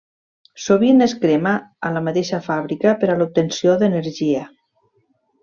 Sovint es crema a la mateixa fàbrica per a l'obtenció d'energia.